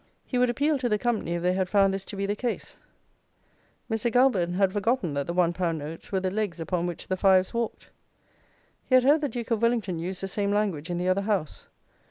He would appeal to the company if they had found this to be the case. Mr. Goulburn had forgotten that the one pound notes were the legs upon which the fives walked. He had heard the Duke of Wellington use the same language in the other House.